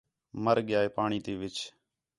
مَر ڳِیا ہِے پاݨی تی وِچ